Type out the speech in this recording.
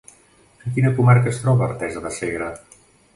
En quina comarca es troba Artesa de Segre?